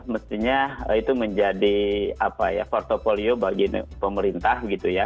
mestinya itu menjadi portfolio bagi pemerintah gitu ya